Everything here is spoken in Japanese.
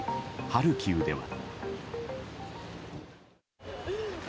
ハルキウでは。